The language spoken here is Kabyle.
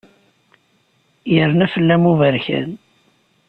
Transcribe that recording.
Yerna fell-am uberkan.